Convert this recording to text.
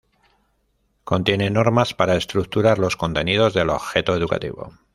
Contiene normas para estructurar los contenidos del objeto educativo.